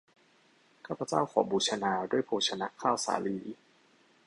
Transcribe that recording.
ข้าพเจ้าขอบูชาด้วยโภชนะข้าวสาลี